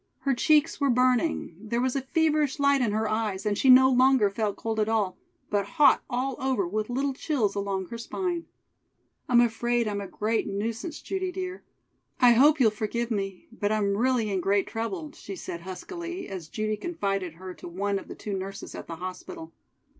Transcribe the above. Her cheeks were burning; there was a feverish light in her eyes, and she no longer felt cold at all, but hot all over with little chills along her spine. "I'm afraid I'm a great nuisance, Judy, dear. I hope you'll forgive me, but I'm really in great trouble," she said huskily, as Judy confided her to one of the two nurses at the hospital.